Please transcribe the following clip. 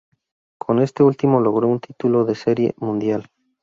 Con este último logró un título de Serie Mundial.